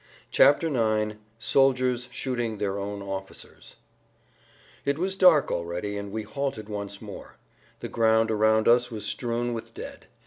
[Pg 65] IX SOLDIERS SHOOTING THEIR OWN OFFICERS It was dark already, and we halted once more. The ground around us was strewn with dead.